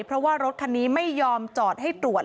เพราะว่ารถคันนี้ไม่ยอมจอดให้ตรวจ